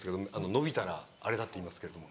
のびたらあれだっていいますけれども。